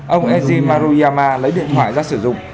ông eji maruyama lấy điện thoại ra sử dụng